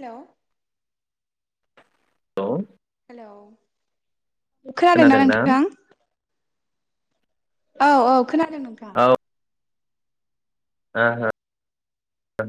हेल'। औ। औ। खोनादोंना नोंथां। औ औ। खोनादों नोंथां। ओ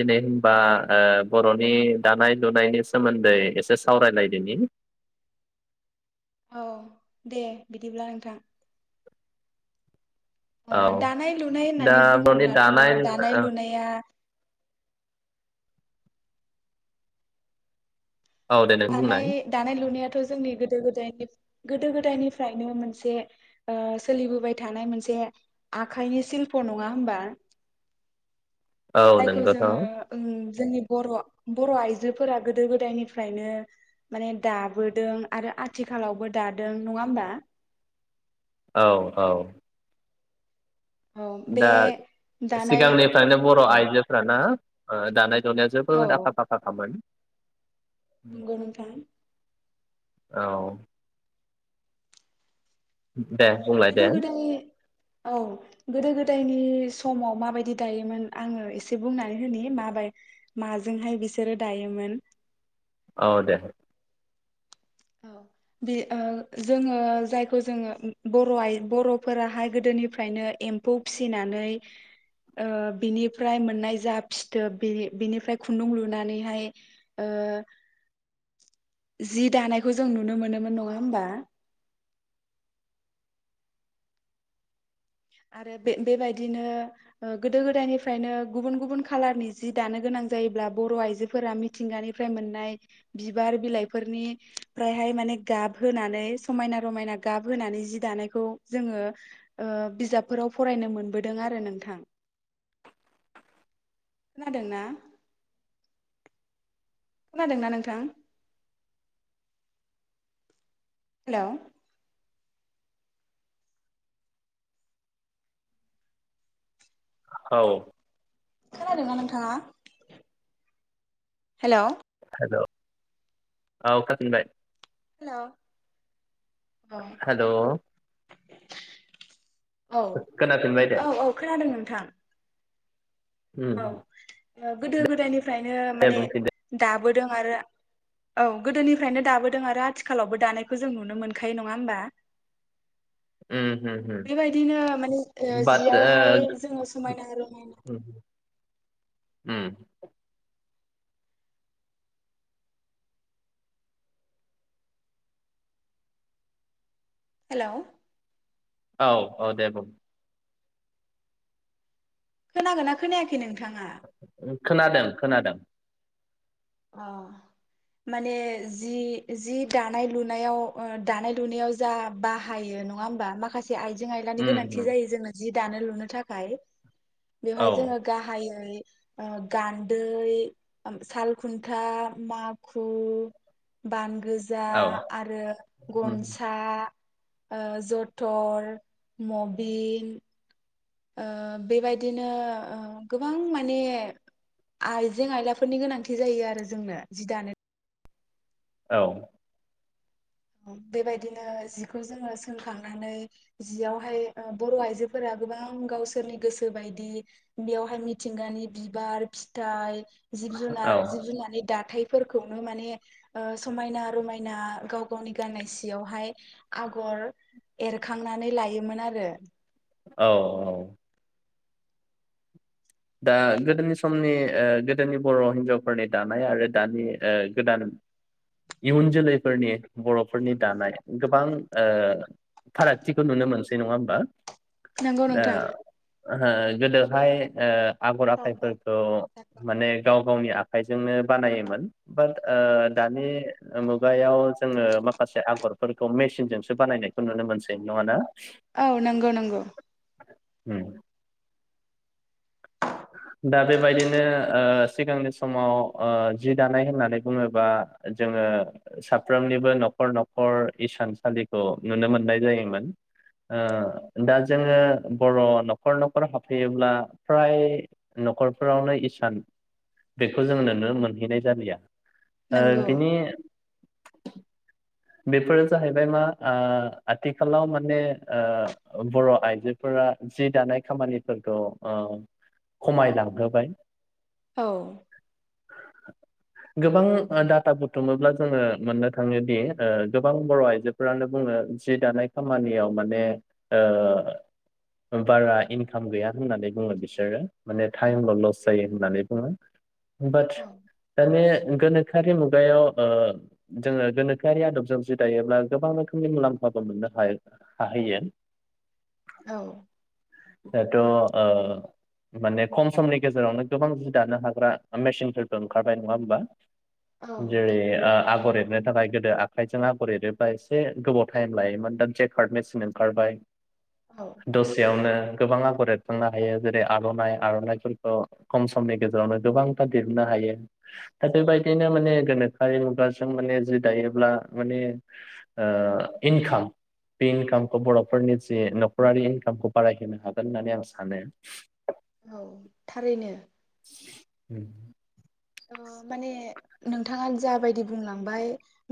दिनै होमबा ओ बर'नि दानाय लुनायनि सोमोन्दै एसे सावरायलायदोनि। औ दे बिदिब्ला नोंथां। औ ओ दानाय लुनाय दा होननानै बर'नि बुङोब्लाथ' दानाय दानाय लुनाया औ दे नों दानाय बुंनाय दानाय लुनायाथ' जोंनि गोदो गोदायनि गोदो गोदायनिफ्रायनो मोनसे ओ सोलिबोबाय थानाय मोनसे आखाइनि सिशल्प नङा होमबा? औ जायखौ नोंगौथ' जोङो ओं जोंनि बर' बर' आइजोफोरा गोदो गोदायनिफ्राय नो माने दाबोदों आरो आथिखालावबो दादों नङा होमबा? औ औ। औ बे दा दानाय सिगांनिफ्रायनो बर' औ आइजोफ्राना ओ दानाय लुनायाव जोबोद आखा फाखाखामोन। नोंगौ नोंथां। औ। दे ओ बुंलाय दे गोदो गोदाय औ गोदो गोदाय नि समाव माबायदि दायोमोन आङो एसे बुंनानै होनि मा बाय माजोंहाय बिसोरो दायोमोन। औ दे। औ बि ओ जोङो जायखौ जोङो उम बर' आइ बर'फोराहाय गोदोनिफ्रायनो एम्फौ फिसिनानै ओ बिनिफ्राय मोननाय जा फिथोब बिनि-बिनिफ्राय खुन्दुं लुनानैहाय ओ जि दानायखौ जों नुनो मोनोमोन नङा होमबा? आरो बे-बेबायदिनो ओ गोदो गोदायनिफ्रायनो गुबुन गुबुन खाालारनि जि दानो गोनां जायोब्ला बर' आइजोफोरा मिथिंगानिफ्राय मोननाय बिबार बिलाइफोरनिफ्रायहाय माने गाब होनानै समायना रमायना गाब होनानै जि दानायखौ जोङो ओ बिजाबफोराव फरायनो मोनबोदों आरो नोंथां। खोनादोंना? खोनादोंना नोंथां? हेलौ। औ। खोनादोंना नोंथाङा? हेलौ। हेलौ औ खोनाफिनबाय‌। हेलौ अ। हेल' औ खोनाफिनबाय दे औ औ खोनादों नोंथां। उम उम। ओ गोदो गोदायनि फ्रायनो माने दा बोदों आरो औ गोदोनिफ्रायनो दाबोदों आरो आथिखालावबो दानायखौ जों नुनो मोनखायो नङा होमबा उम होम होम बेबायदिनो माने ओ बाट जियावहाय जोङो समायना रमायना ओ उम हेलौ औ औ दे बुं खोनागोना खोनायाखै नों थाङा खोनादों खोनादों अ माने जि जि दानाय लुनायाव ओ दानाय लुनायाव जा बाहायो नङा होमबा माखासे आइजें आइलानि उम गोनांथि उम जायो जोंनो जि दानो लुनो थाखाय औ बेवहाय जोङो गाहायै ओ गान्दै ओम साल खुन्था माखु बान गोजा औ आरो उम गनसा ओ जथर मबिन ओ बेबायदिनो ओ गोबां माने आइजें आयलाफोरनि गोनांथि जायो आरो जोंनो जि दानो औ बेबायदिनो जिखौ जोङो सोंखांनानै जियावहाय ओ बर आइजोफोरा गोबां गावसोरनि गोसो बायदि बेयावहाय मिथिंगानि बिबार फिथाइ जिब औ जुनार जिब जुनारनि दाथाय फोरखौनो माने ओ समायना रमायना गाव गावनि गाननाय सियावहाय आगर एरखांनानै लायोमोन आरो औ औ दा गोदोनि समनि ओ गोदोनि बर हिनजावफोरनि दानाय आरो दानि ओ गोदान इयुन जोलैफोरनि बरफोरनि दानाय गोबां ओ फारागथिखौ नुनो मोनसै नङा होमबा नंगौ नोंथां ओहो गोदोहाय ओ आगर औ औ आखाइफोरखौ माने गाव गावनि आ खाइजोंनो बानायोमोन बाट ओ दानि मुगायाव जोङो माखासे आगरफोरखौ मेसिनजोंसो बानायनाय खौ नुनो मोनसै नङा ना औ नंगौ नंगौ उम दा बेबायदिनो ओ सिगांनि समाव ओ जि दानाय होननानै बुङोबा जोङो साफ्रोमनिबो नखर नखर इसानसालिखौ नुनो मोननाय जायोमोन ओ दा जोङो बर नखर नखर हाबफैयोब्ला फ्राय नखरफोरावनो इसान बेखौ जों नुनो मोनहैनाय जालिया ओ नंगौ बिनि बेफोरो जाहैबाय मा ओ आथिखालाव माने ओ बर आइजोफोरा जि दानाय खामानिफोरखौ ओ खमायलांहोबाय औ गोबां ओ डाटा बुटुमोब्ला जोङो मोननो थाङोदि ओ गोबां बर आइजोफोरानो बुङो जि दानाय खामानियाव माने ओ बारा इनकाम गैया होननानै बुङो बिसोरो माने थाइमल लस जायो होननानै बुङो। बात औ दानि गोनोखोआरि मुगायाव ओ जोङो गोनो खोआरि आदबजों जि दायोब्ला गोबां रोखोमनि मुलाम्फाबो मोननो हाय हाहैयो। औ दात ओ माने खम समनि गेजेरावनो गोबां जि दानो हाग्रा मेसिनफोरबो ओंखारबाय नङा होमबा औ जेरै ओ आगर एर एनो थाखाय गोदो आखाइजों आगर एरोबा एसे गोबाव टाइम लायोमोन दा जेकार्ड मेचन ओंखारबाय दसेयावनो गोबां आगर एरखांनो हायो जेरै आरनाइ आरनाइफोरखौ खम समनि गेजेरावनो गोबांथार देरुननो हायो दा बेबायदिनो माने गोनोखोआरि मुगाजों माने जि दायोब्ला माने इनकाम बे इनकामखौ बरफोरनि जि नखरारि इनकामखौ बारायहोनो हायो हागोन होननानै आं सानो औ थारैनो उम माने नोंथाङा जाबायदि बुंलांबाय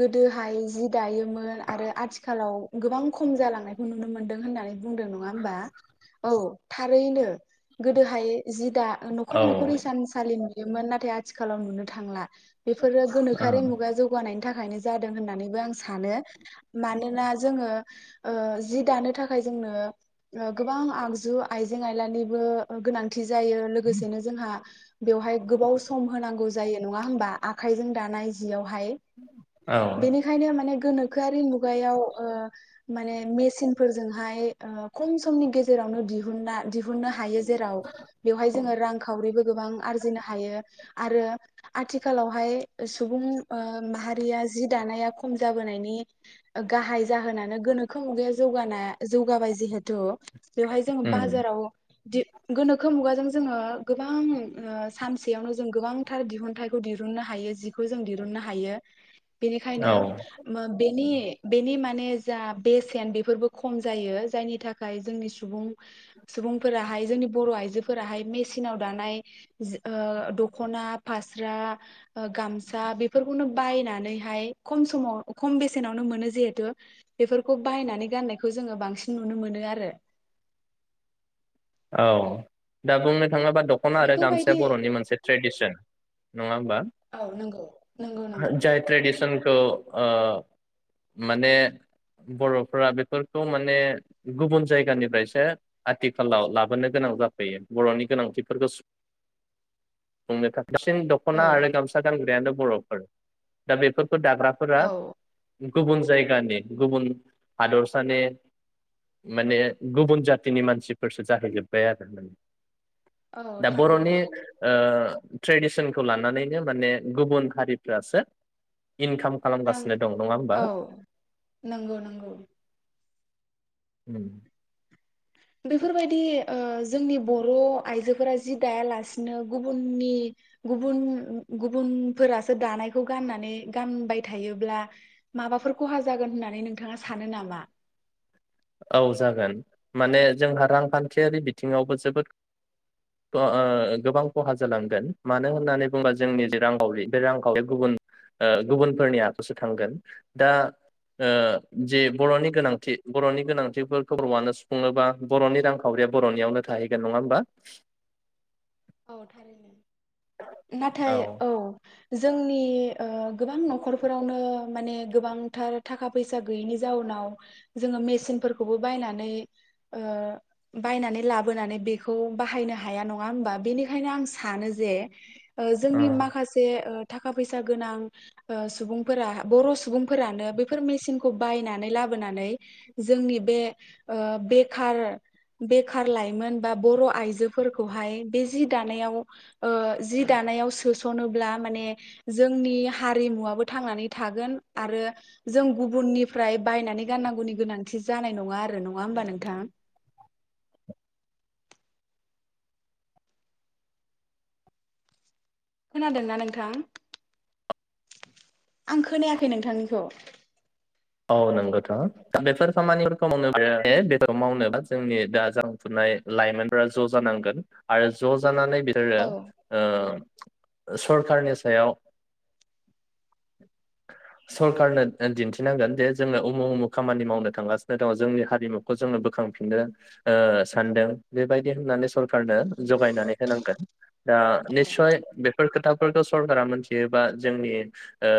गोदोहाय जि दायो मोन आरो आथिखालाव गोबां खम जालांनायखौ नुनो मोन्दों होननानै बुंदों नङा होमबा औ थारैनो गोदोहाय जि दा औ न'खर न'खर हिसानसालिनि योमोन नाथाइ आथिखालाव नुनो थांला। बेफोरो गोनोखोआरि औ मुगा जौगानायनि थाखाय थाखायनो जादों होननानैबो आं सानो मानोना जोङो ओ जि दानो थाखाय जोंनो गोबां आगजु आइजें आइलानिबो गोनांथि जायो लोगोसेनो जोंहा। बेवहाय गोबाव स सम होनांगौ जायो नङा होनोमबा आखाइजों दानाय जियाव हाय औ बेनिखायनो माने गोनो खोआरि मुगायाव ओ माने मेसिन फोरजोंहाय ओ खम समनि गेजेरावनो दिहुनना दि दिहुननो हायो जेराव बेवहाय जोङो रांखावरिबो गोबां आरजिनो हायो। आरो आथिखालावहाय सुबुं ओ माहा या जि दानाया खम जाबोनायनि गाहाय जाहोनानो गोनोखो मुगाया जौगानाया जौगाबाय जिहेथु बेवहाय जोङो उम बाजाराव। दि गोनोखो मुगाजों जोङो गोबां ओ सानसे बेयावनो जों गोबांथार दिहुनथाइखौ दिहुननो हायो जि खौ जों दिहुननो हायो बेनिखायनो औ ओम बे नि बेनि माने जा बेसेन बेफोरबो खम जायो जायनि थाखाय जोंनि सुबुं सुबुंफोराहाय जोंनि बर आइजोफोराहाय मेसिनाव दानाय जो ओ दख'ना फास्रा ओ गामसा बेफोरखौनो बायनानैहाय खम समाव खम बेसेनावनो मोनो जिहेथु बेफोरखौ बायनानै गाननायखौ जोङो बांसिन नुनो मोनो आरो। औ दा बुंनो थाङा बा दख'ना आरो गामसाया बेफोरबायदि बर'नि मोनसे ट्रेडिसन नङा होमबा? औ नंगौ नंगौ नंगौ जाय ट्रेडिसन ओ ओ माने बर'फ्रा बेफोरखौ माने गुबुन जायगानिफ्रायसो आथिखालाव लाबोनो गोनां जाफैयो बरनि गोनांथिफोरखौ सुंफ-फुंनो थाखाय। बांसिन दख'ना औ आरो गामसा गानग्रायानो बर'फोर दा बेफो फोर दाग्राफोरा औ गुबुन जायगानि गुबुन हादरसानि माने गुबुन जातिनि मानसिफोरस जाफैजोब्बाय आरो मोन औ दा बर'नि थारैनो ओ ट्रेडिसनखौ लानानैनो माने गुबुन हारिफ्रासो इनखाम रां खालामगासिनो दं नङा होमबा? औ नंगौ नंगौ उम। बेफोरबायदि ओ जोंनि बर' आइजोफोरा जि दायालासिनो गुबुननि गुबुन गुबुनफोरासो दानायखौ गाननानै गानबाय थायोब्ला माबाफोर खहा जागोन होननानै नोंथाङा सानो नामा? औ जागोन माने जोंहा रांखान्थियारि बिथिङावबो जोबोद ओ ओ गोबां खहा जालांगोन मानो होननानै बुंबा जोंनि जे रांखावरि बे रांखावरि गुबुन ओ गुबुनफोरनि आखुसो थांगोन दा ओ जे औ बर'नि गोनांथि बर'नि गोनांथिफोर बर'आनो सुफुङोबा बर'नि रांखावरिया बर'नियावनो थाहैगोन नङा होमबा? औ थारैनो नाथाय औ। जोंनि ओ गोबां न'खरफोरावनो माने गोबांथार थाखा फैसा गैयैनि जाउनाव जोङो मेसिनफोरखौबो बायनानै ओ बायनानै लाबोनानै बेखौ बाहायनो हाया नङा होमबा? बेनिखायनो आं सानो जे ओ औ जोंनि माखासे ओ थाखा फैसा गोनां ओ सुबुंफोरा बर' सुबुंफोरानो बेफोर मेसिनखौ बायनानै लाबोनानै जोंनि बे ओ बेखार बेखार लाइमोन बा बर' आइजोफोरखौहाय बे जि दानायाव ओ जि दानायाव सोस' सनोब्ला माने जो जोंनि हारिमुवाबो थांनानै थागोन आरो जों गुबुननिफ्राय बायनानै गाननांगौनि गोनांथि जानाय नङा आरो नङा होमबा नोंथाङा? खोनादोंना नोंथां? आं खोनायाखै नोंथांनिखौ। औ नंगौथ' दा बेफोर खामानिफोरखौ मावनो बे मावनोबो जोंनि दा जांखांफुनाय लाइमोनफोरा ज' जानांगोन आरो ज' जानानै बिसोरो औ ओ सरकारनि सायाव सरकारनो ओ दिनथि मिथिनांगोन जे जोङो उमु उमु खामानि मावनो थांगासिनो दङ जोंनि हारिमुखौ जोङो बोखांफिननो ओ सानदों बेबायदि होननानै सरकारनो जगायनानै होनांगोन। दा निसय बे फोर खोथाफोरखौ सरकारा मोनथियोबा जोंनि ओ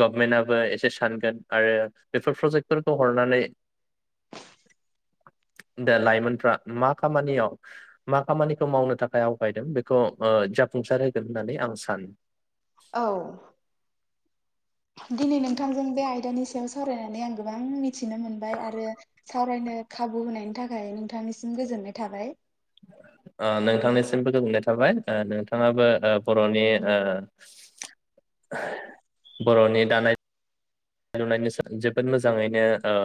गभमेन्टआबो एसे सान [unintelligible] आरो बेफोर प्रजेक्टफोरखौ हरनानै दा लाइमोनफ्रा मा खामानियाव मा खामानिखौ मावनो थाखाय आवगायदों बेखौ ओ जाफुंसार होगोन होननानै आं सानो। औ दिनै नोंथांजों बे आयदानि सायाव सावरायनानै आं गोबां मिथिनो मोनबाय आरो सावरायनो खाबु होनायनि थाखाय नोंथांनिसिम गोजोननाय थाबाय। ओ नोंथांनिसिमबो गोजोननाय थाबाय ओ नोंथाङाबो ओ बर'नि ओ [unintelligible] बर'नि दानाय लुनायनि जोबोद मोजाङैनो ओ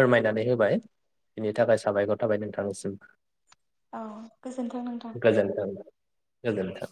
फोरमायनानै होबाय बिनि थाखाय साबायखर थाबाय नोंथांनिसिम औ गोजोनथों नोंथां गोजोन्थों